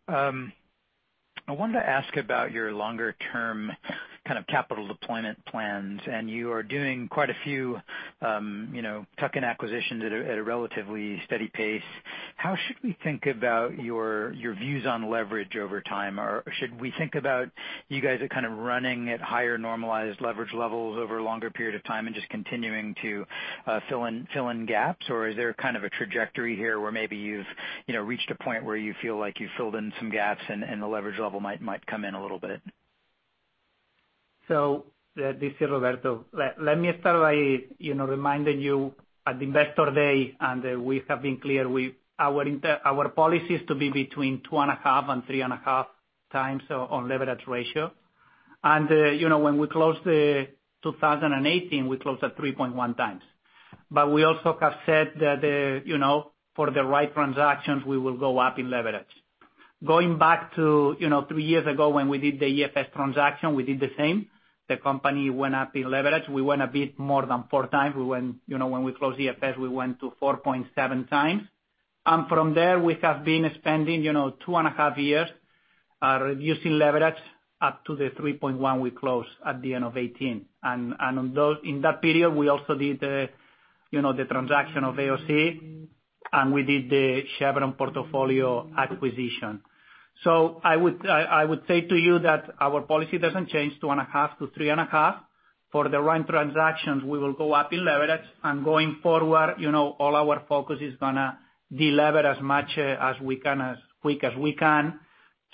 G: I wanted to ask about your longer-term kind of capital deployment plans. You are doing quite a few tuck-in acquisitions at a relatively steady pace. How should we think about your views on leverage over time? Should we think about you guys are kind of running at higher normalized leverage levels over a longer period of time and just continuing to fill in gaps? Is there kind of a trajectory here where maybe you've reached a point where you feel like you've filled in some gaps and the leverage level might come in a little bit?
D: This is Roberto. Let me start by reminding you at Investor Day, we have been clear, our policy is to be between 2.5 and 3.5 times on leverage ratio. When we closed 2018, we closed at 3.1 times. We also have said that for the right transactions, we will go up in leverage. Going back to 3 years ago when we did the EFS transaction, we did the same. The company went up in leverage. We went a bit more than 4 times. When we closed EFS, we went to 4.7 times. From there we have been spending 2.5 years, reducing leverage up to the 3.1 we closed at the end of 2018. In that period, we also did the transaction of AOC, and we did the Chevron portfolio acquisition. I would say to you that our policy doesn't change two and a half to three and a half. For the right transactions, we will go up in leverage. Going forward, all our focus is going to delever as much as we can, as quick as we can,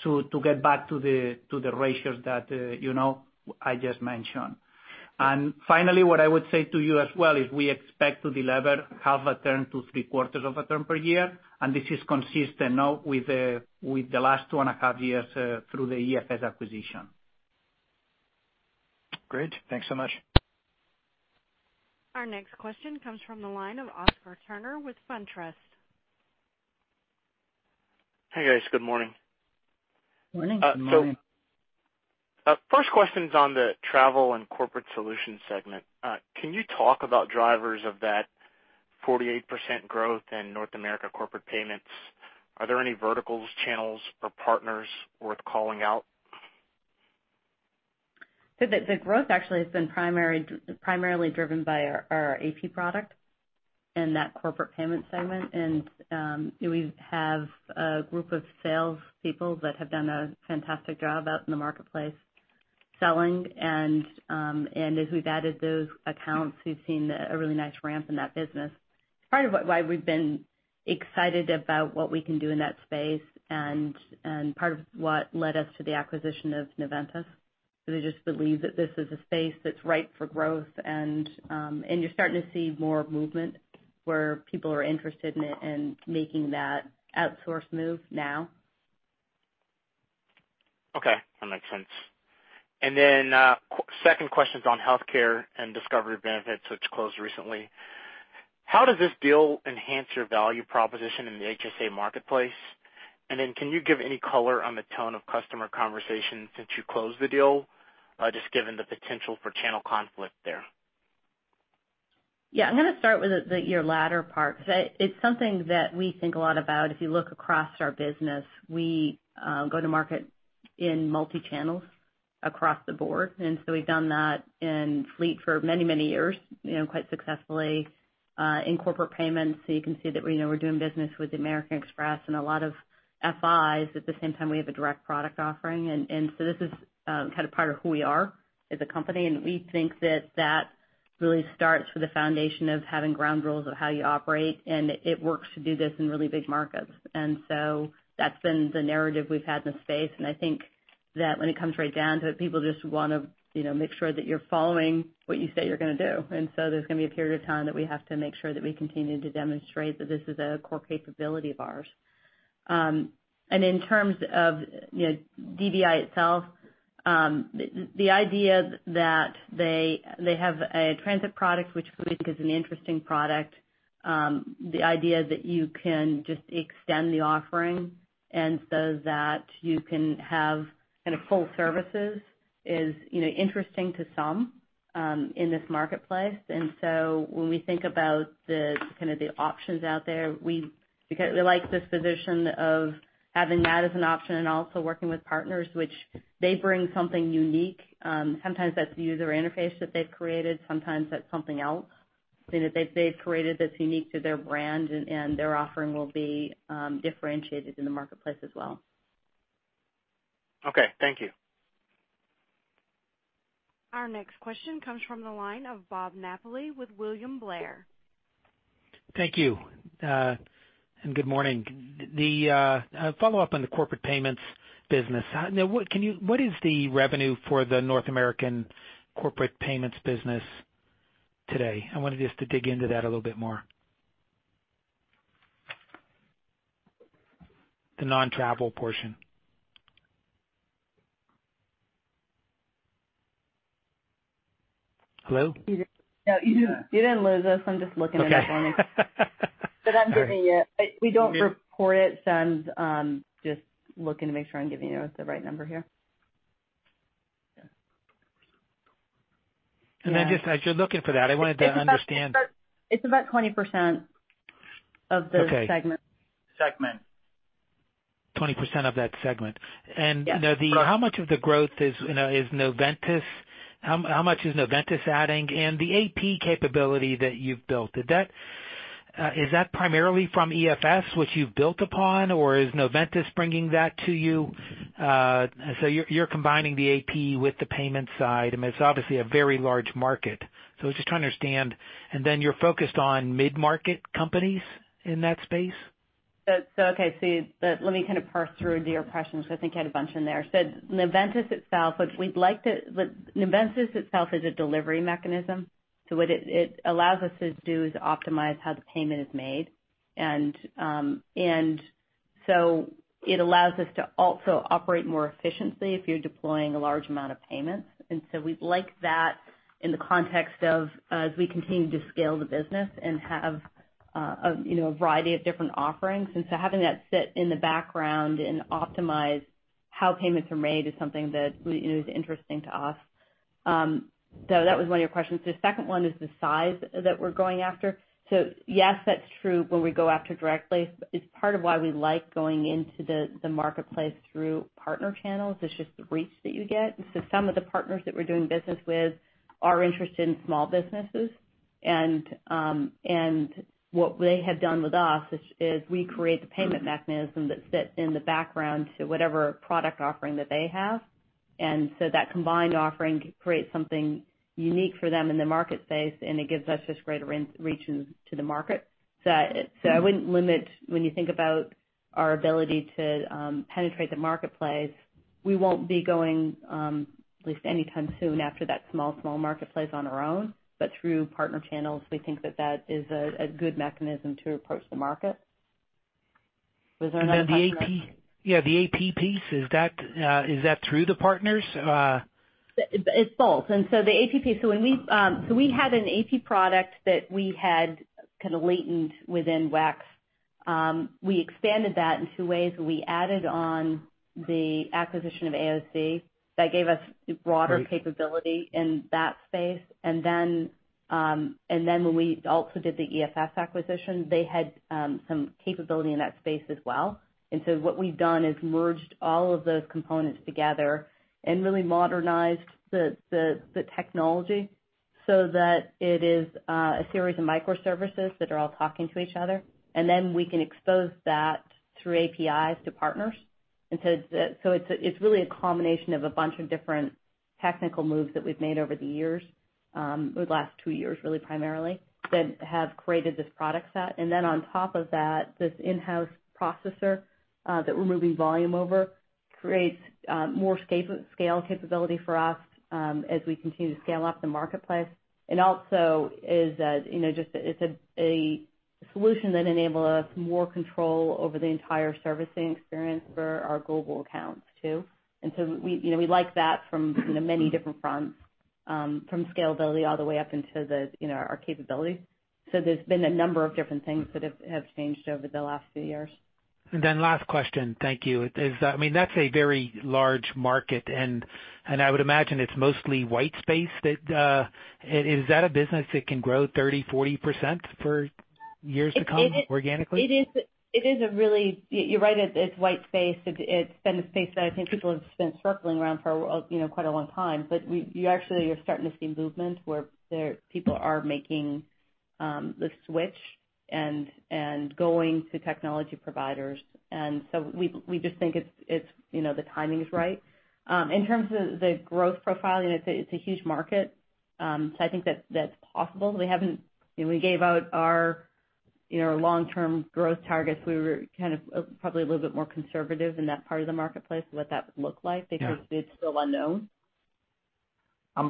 D: to get back to the ratios that I just mentioned. Finally, what I would say to you as well is we expect to de-lever half a turn to three quarters of a turn per year, and this is consistent now with the last two and a half years, through the EFS acquisition.
G: Great. Thanks so much.
A: Our next question comes from the line of Oscar Turner with SunTrust.
H: Hey, guys. Good morning.
C: Morning.
H: First question's on the travel and corporate solutions segment. Can you talk about drivers of that 48% growth in North America corporate payments? Are there any verticals, channels, or partners worth calling out?
C: The growth actually has been primarily driven by our AP product and that corporate payment segment. We have a group of salespeople that have done a fantastic job out in the marketplace selling, and as we've added those accounts, we've seen a really nice ramp in that business. It's part of why we've been excited about what we can do in that space, and part of what led us to the acquisition of Noventis. We just believe that this is a space that's ripe for growth and you're starting to see more movement where people are interested in it and making that outsource move now.
H: Okay. That makes sense. Second question's on healthcare and Discovery Benefits, which closed recently. How does this deal enhance your value proposition in the HSA marketplace? Can you give any color on the tone of customer conversation since you closed the deal, just given the potential for channel conflict there?
C: Yeah, I'm going to start with your latter part, because it's something that we think a lot about. If you look across our business, we go to market in multi-channels across the board, we've done that in Fleet for many years, quite successfully, in corporate payments. You can see that we're doing business with American Express and a lot of FIs. At the same time, we have a direct product offering. This is kind of part of who we are as a company, and we think that that really starts with a foundation of having ground rules of how you operate. It works to do this in really big markets. That's been the narrative we've had in the space, and I think that when it comes right down to it, people just want to make sure that you're following what you say you're going to do. There's going to be a period of time that we have to make sure that we continue to demonstrate that this is a core capability of ours. In terms of DBI itself, the idea that they have a transit product, which we think is an interesting product. The idea that you can just extend the offering and so that you can have kind of full services is interesting to some in this marketplace. When we think about the kind of the options out there, we like this position of having that as an option and also working with partners which they bring something unique. Sometimes that's user interface that they've created, sometimes that's something else they've created that's unique to their brand, and their offering will be differentiated in the marketplace as well.
H: Okay. Thank you.
A: Our next question comes from the line of Robert Napoli with William Blair.
I: Thank you. Good morning. A follow-up on the corporate payments business. What is the revenue for the North American corporate payments business today? I wanted just to dig into that a little bit more. The non-travel portion. Hello?
C: You didn't lose us. I'm just looking it up for me.
I: Okay. All right.
C: I'm giving you We don't report it, so I'm just looking to make sure I'm giving you the right number here. Yeah.
I: just as you're looking for that, I wanted to understand.
C: It's about 20% of the segment.
I: Okay.
C: Segment.
I: 20% of that segment.
C: Yes.
I: How much of the growth is Noventis? How much is Noventis adding? The AP capability that you've built, is that primarily from EFS, which you've built upon, or is Noventis bringing that to you? You're combining the AP with the payment side. I mean, it's obviously a very large market, so I was just trying to understand. Then you're focused on mid-market companies in that space?
C: Okay. Let me kind of parse through your questions because I think you had a bunch in there. Noventis itself is a delivery mechanism. What it allows us to do is optimize how the payment is made. It allows us to also operate more efficiently if you're deploying a large amount of payments. We'd like that in the context of as we continue to scale the business and have a variety of different offerings. Having that sit in the background and optimize how payments are made is something that is interesting to us. That was one of your questions. The second one is the size that we're going after. Yes, that's true when we go after directly. It's part of why we like going into the marketplace through partner channels. It's just the reach that you get. Some of the partners that we're doing business with are interested in small businesses, and what they have done with us is we create the payment mechanism that sits in the background to whatever product offering that they have. That combined offering creates something unique for them in the market space, and it gives us just greater reach into the market. I wouldn't limit when you think about our ability to penetrate the marketplace. We won't be going, at least anytime soon after that small marketplace on our own. Through partner channels, we think that that is a good mechanism to approach the market.
I: The AP piece, is that through the partners?
C: It's both. The AP piece, we had an AP product that we had kind of latent within WEX. We expanded that in two ways. We added on the acquisition of AOC. That gave us broader capability in that space. Then when we also did the EFS acquisition, they had some capability in that space as well. What we've done is merged all of those components together and really modernized the technology so that it is a series of microservices that are all talking to each other. Then we can expose that through APIs to partners. It's really a combination of a bunch of different technical moves that we've made over the years. Over the last two years, really primarily, that have created this product set. On top of that, this in-house processor that we're moving volume over creates more scale capability for us as we continue to scale up the marketplace. Also is just a solution that enable us more control over the entire servicing experience for our global accounts too. We like that from many different fronts, from scalability all the way up into our capability. There's been a number of different things that have changed over the last few years.
I: Last question. Thank you. That's a very large market, and I would imagine it's mostly white space. Is that a business that can grow 30%-40% for years to come organically?
C: You're right, it's white space. It's been a space that I think people have been circling around for quite a long time. You actually are starting to see movement where people are making the switch and going to technology providers. We just think the timing is right. In terms of the growth profile, it's a huge market. I think that's possible. When we gave out our long-term growth targets, we were kind of probably a little bit more conservative in that part of the marketplace and what that would look like because it's still unknown.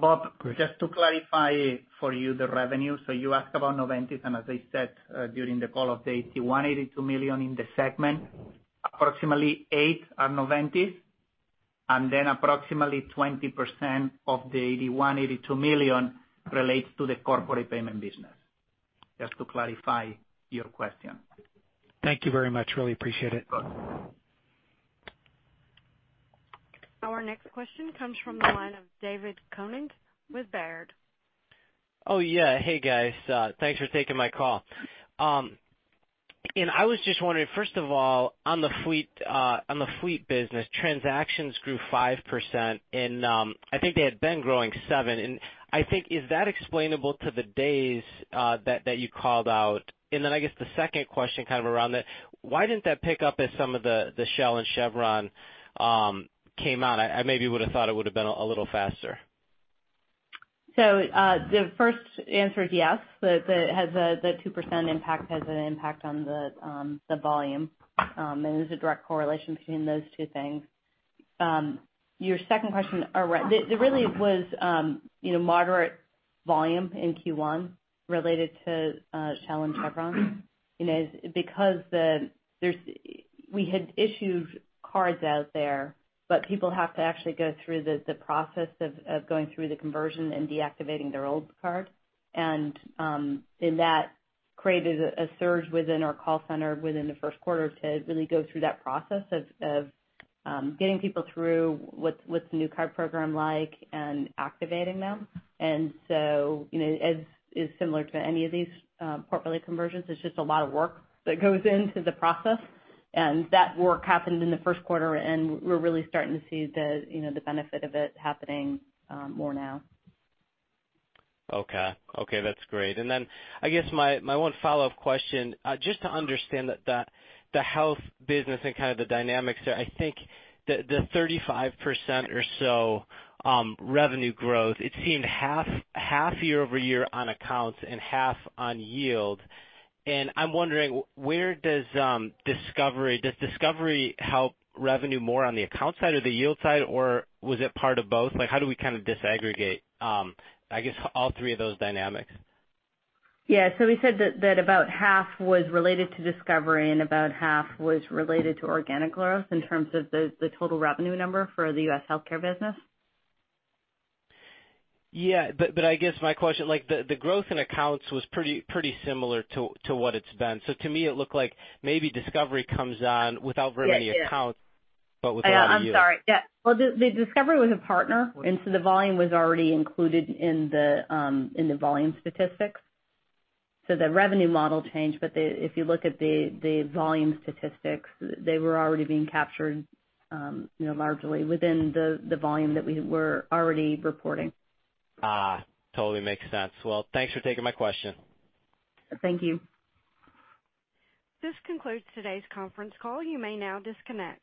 D: Bob, just to clarify for you the revenue. You asked about Noventis, as I said during the call of the $81 million-$82 million in the segment, approximately $8 are Noventis, approximately 20% of the $81 million-$82 million relates to the corporate payment business. Just to clarify your question.
I: Thank you very much. Really appreciate it.
D: Of course.
A: Our next question comes from the line of David Koning with Baird.
J: Oh, yeah. Hey, guys. Thanks for taking my call. I was just wondering, first of all, on the fleet business, transactions grew 5%, and I think they had been growing 7%. I think, is that explainable to the days that you called out? I guess the second question kind of around that, why didn't that pick up as some of the Shell and Chevron came out? I maybe would have thought it would've been a little faster.
C: The first answer is yes. The 2% impact has an impact on the volume, and there's a direct correlation between those two things. Your second question, there really was moderate volume in Q1 related to Shell and Chevron because we had issued cards out there, but people have to actually go through the process of going through the conversion and deactivating their old card. That created a surge within our call center within the first quarter to really go through that process of getting people through what's the new card program like and activating them. As is similar to any of these corporate conversions, it's just a lot of work that goes into the process, and that work happened in the first quarter, and we're really starting to see the benefit of it happening more now.
J: Okay. That's great. I guess my one follow-up question, just to understand the health business and kind of the dynamics there, I think the 35% or so revenue growth, it seemed half year-over-year on accounts and half on yield. I'm wondering, does Discovery help revenue more on the account side or the yield side, or was it part of both? How do we kind of disaggregate, I guess, all three of those dynamics?
C: Yeah. We said that about half was related to Discovery and about half was related to organic growth in terms of the total revenue number for the U.S. healthcare business.
J: Yeah. I guess my question, the growth in accounts was pretty similar to what it's been. To me, it looked like maybe Discovery comes on without very many accounts, but with a lot of yield.
C: I'm sorry. Yeah. Well, Discovery was a partner, the volume was already included in the volume statistics. The revenue model changed, but if you look at the volume statistics, they were already being captured largely within the volume that we were already reporting.
J: Totally makes sense. Well, thanks for taking my question.
C: Thank you.
A: This concludes today's conference call. You may now disconnect.